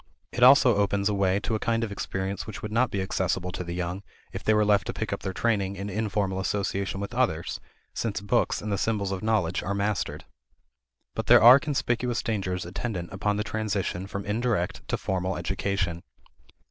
It also opens a way to a kind of experience which would not be accessible to the young, if they were left to pick up their training in informal association with others, since books and the symbols of knowledge are mastered. But there are conspicuous dangers attendant upon the transition from indirect to formal education.